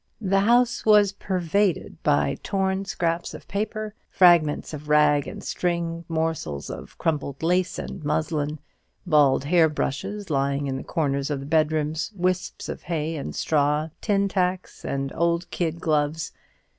The house was pervaded by torn scraps of paper, fragments of rag and string, morsels of crumpled lace and muslin, bald hair brushes lying in the corners of the bedrooms, wisps of hay and straw, tin tacks, and old kid gloves.